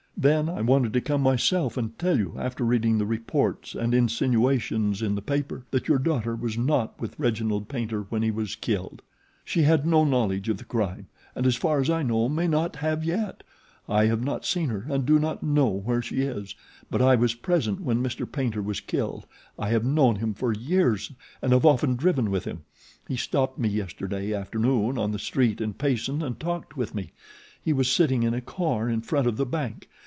Then I wanted to come myself and tell you, after reading the reports and insinuations in the paper, that your daughter was not with Reginald Paynter when he was killed. She had no knowledge of the crime and as far as I know may not have yet. I have not seen her and do not know where she is; but I was present when Mr. Paynter was killed. I have known him for years and have often driven with him. He stopped me yesterday afternoon on the street in Payson and talked with me. He was sitting in a car in front of the bank.